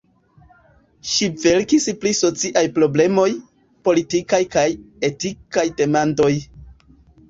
Ŝi verkis pri sociaj problemoj, politikaj kaj etikaj demandoj.